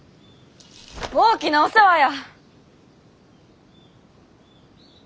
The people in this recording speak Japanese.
大きなお世話や！